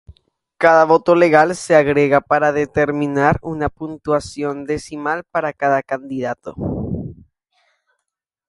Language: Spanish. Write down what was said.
Cada voto legal se agrega para determinar una puntuación decimal para cada candidato.